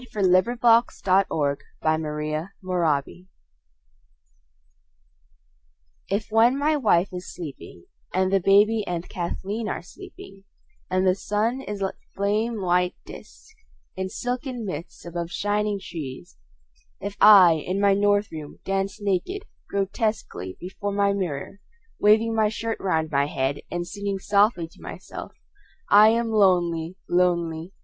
William Carlos Williams Danse Russe IF when my wife is sleeping and the baby and Kathleen are sleeping and the sun is a flame white disc in silken mists above shining trees, if I in my north room dance naked, grotesquely before my mirror waving my shirt round my head and singing softly to myself: "I am lonely, lonely.